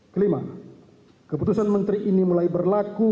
kelima keputusan menteri ini mulai berlaku